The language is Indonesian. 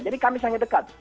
jadi kami sangat dekat